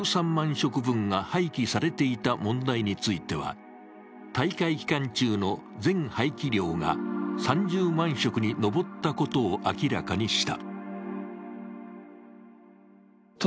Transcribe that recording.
食分が廃棄されていた問題については、大会期間中の全廃棄量が３０万食に上ったことを明らかにした。